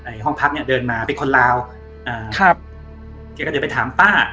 ห้องพักเนี้ยเดินมาเป็นคนลาวอ่าครับแกก็เดี๋ยวไปถามป้า